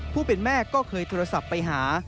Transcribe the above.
ผู้เป็นแม่ก็เคยโทรศัพท์ไปหา